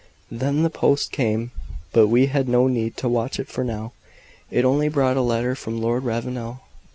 Then the post came but we had no need to watch for it now. It only brought a letter from Lord Ravenel.